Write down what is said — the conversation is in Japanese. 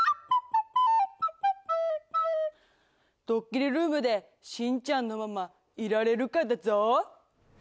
ドッキリルームでしんちゃんのままいられるかだゾ。